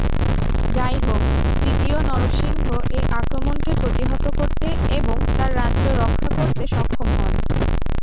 যাইহোক, তৃতীয় নরসিংহ এই আক্রমণকে প্রতিহত করতে এবং তার রাজ্য রক্ষা করতে সক্ষম হন।